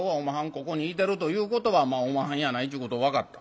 ここにいてるということはおまはんやないちゅうこと分かった。